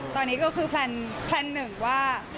ตอนนี้ก็คือแพลนหนึ่งว่า